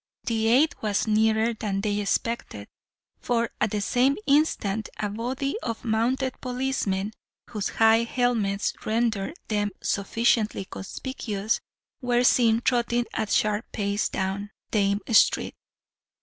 The aid was nearer than they expected; for at the same instant a body of mounted policemen, whose high helmets rendered them sufficiently conspicuous, were seen trotting at sharp pace down Dame Street.